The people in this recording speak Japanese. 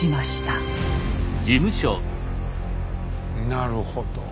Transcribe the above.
なるほど。